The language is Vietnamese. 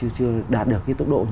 chưa đạt được cái tốc độ rào cản